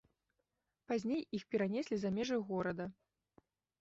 Пазней іх перанеслі за межы горада.